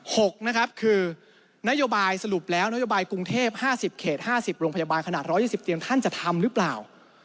หกนะครับคือนโยบายสรุปแล้วนโยบายกรุงเทพห้าสิบเขตห้าสิบโรงพยาบาลขนาด๑๒๐เตียงท่านจะทำหรือเปล่า